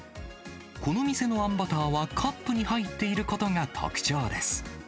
この店のあんバターは、カップに入っていることが特徴です。